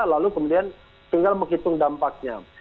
lalu kemudian tinggal menghitung dampaknya